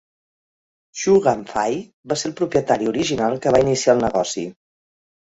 Chu Gam Fai va ser el propietari original que va iniciar el negoci.